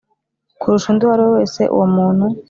Kurusha undi uwo ari we wese uwo muntu